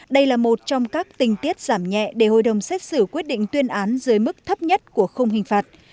đây là một trong các tình tiết giảm nhẹ để hội đồng xét xử quyết định tuyên án dưới mức thấp nhất của không hình phạt